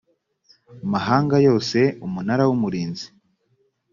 mahanga yose umunara w umurinzi